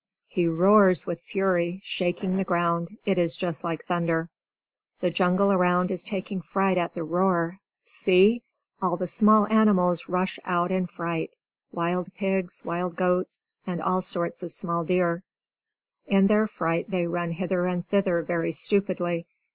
He roars with fury, shaking the ground; it is just like thunder. The jungle around is taking fright at the roar. See! All the small animals rush out in fright wild pigs, wild goats, and all sorts of small deer. [Illustration: The Tiger and the Ring of Buffaloes] In their fright they run hither and thither very stupidly.